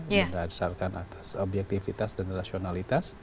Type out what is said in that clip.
berdasarkan atas objektivitas dan rasionalitas